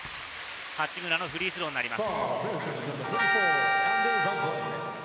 八村のフリースローになります。